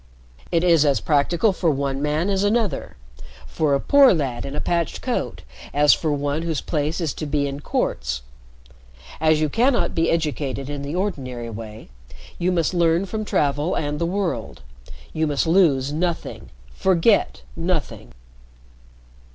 It is as practical for one man as another for a poor lad in a patched coat as for one whose place is to be in courts. As you cannot be educated in the ordinary way, you must learn from travel and the world. You must lose nothing forget nothing."